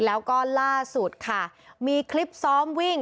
แล้วก็ล่าสุดค่ะมีคลิปซ้อมวิ่ง